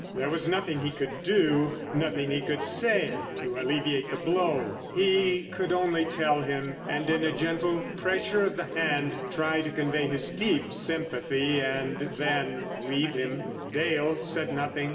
There was nothing he could do, nothing he could say to alleviate the blow. He could only tell him, and in a gentle pressure of the hand try to convey his deep sympathy—and then leave him. Dale said nothing.